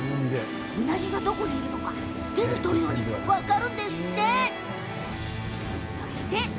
ウナギがどこにいるのか手に取るように分かるんですって。